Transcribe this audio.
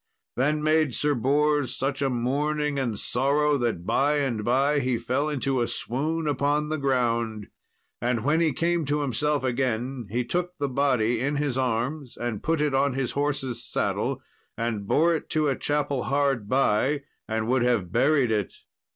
Then made Sir Bors such mourning and sorrow that by and by he fell into a swoon upon the ground. And when he came to himself again, he took the body in his arms and put it on his horse's saddle, and bore it to a chapel hard by, and would have buried it.